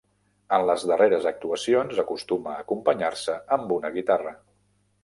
En les darreres actuacions acostuma a acompanyar-se amb una guitarra.